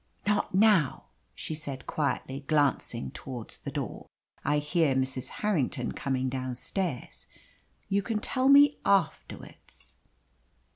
"Not now," she said quietly, glancing towards the door. "I hear Mrs. Harrington coming downstairs. You can tell me afterwards."